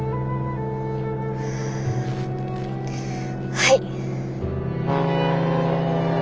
はい。